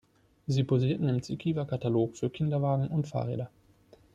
Sie posierten im Zekiwa-Katalog für Kinderwagen und Fahrräder.